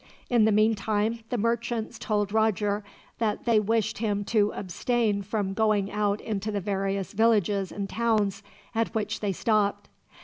In the meantime, the merchants told Roger that they wished him to abstain from going out into the various villages and towns at which they stopped.